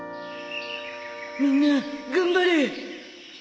みんな頑張れ！